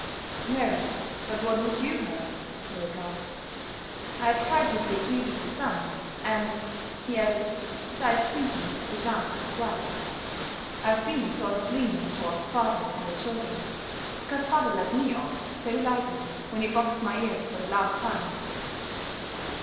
"No, but what would you have?" he replied. "I have tried to be a dutiful son; and," he added, his eyes twinkling as he glanced at his wife, "I've been sort of lenient towards father and the children, because father let me off so lightly when he boxed my ears for the last time."